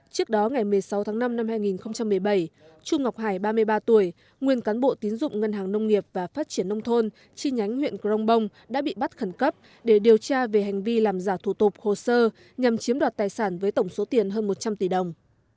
trước đó ngày một mươi sáu tháng năm năm hai nghìn một mươi bảy trung ngọc hải ba mươi ba tuổi nguyên cán bộ tín dụng ngân hàng nông nghiệp và phát triển nông thôn chi nhánh huyện grong bông đã bị bắt khẩn cấp để điều tra về hành vi làm giả thủ tục hồ sơ nhằm chiếm đoạt tài sản với tổng số tiền hơn một trăm linh tỷ đồng